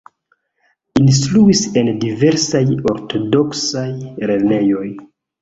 Instruis en diversaj ortodoksaj lernejoj.